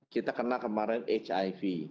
kita kena kemarin hiv